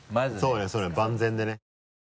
そうね万全でね。